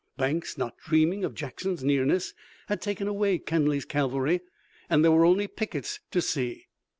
Banks not dreaming of Jackson's nearness, had taken away Kenly's cavalry, and there were only pickets to see.